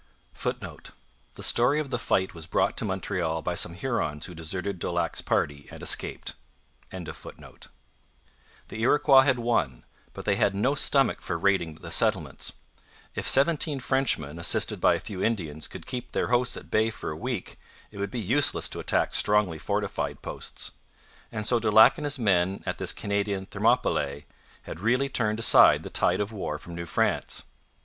[Footnote: The story of the fight was brought to Montreal by some Hurons who deserted Daulac's party and escaped.] The Iroquois had won, but they had no stomach for raiding the settlements. If seventeen Frenchmen, assisted by a few Indians, could keep their hosts at bay for a week, it would be useless to attack strongly fortified posts. And so Daulac and his men at this 'Canadian Thermopylae' had really turned aside the tide of war from New France.